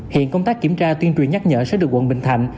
hiện công tác kiểm tra tuyên truyền nhắc nhở sẽ được quận bình thạnh